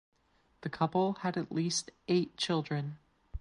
The couple had at least eight children.